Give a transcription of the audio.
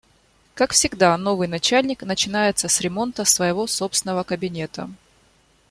Как всегда, новый начальник начинается с ремонта своего собственного кабинета.